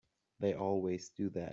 They always do that.